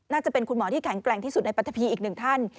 น่าจะเป็นคุณหมอที่แข็งแกร่งที่สุดในปรัฐพีอีกหนึ่งท่าน